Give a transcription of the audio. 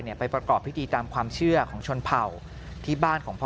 ไปประกอบพิธีตามความเชื่อของชนเผ่าที่บ้านของพ่อ